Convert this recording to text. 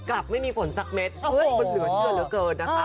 กลับไม่มีฝนสักเม็ดมันเหลือเชื่อเหลือเกินนะคะ